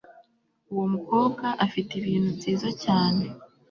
Uwo mukobwa afite ibintu byiza cyane